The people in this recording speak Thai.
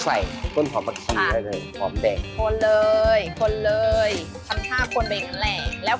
เนี่ยเรามีสายก้นผล่อมเมืองเมืองไปเลยเรื่องผล่อมแดง